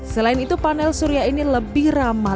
selain itu panel surya ini lebih ramah